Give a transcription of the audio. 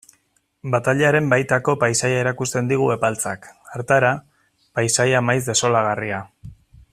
Batailaren baitako paisaia erakusten digu Epaltzak, hartara, paisaia maiz desolagarria.